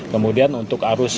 kemudian untuk arus